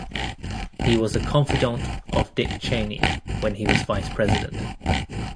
He was a confidant of Dick Cheney when he was Vice President.